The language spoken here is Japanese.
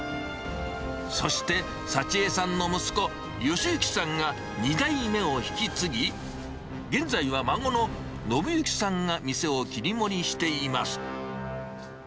そして幸恵さんの息子、よしゆきさんが２代目を引き継ぎ、現在は孫の信之さんが店を切り盛りしています。